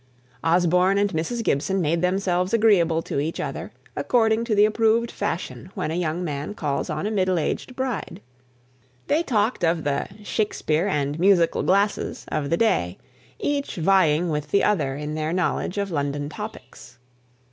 Osborne and Mrs. Gibson made themselves agreeable to each other according to the approved fashion when a young man calls on a middle aged bride. They talked of the "Shakspeare and musical glasses" of the day, each vieing with the other in their knowledge of London topics.